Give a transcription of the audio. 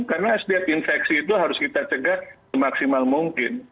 karena setiap infeksi itu harus kita cegat semaksimal mungkin